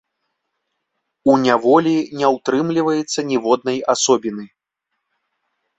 У няволі не ўтрымліваецца ніводнай асобіны.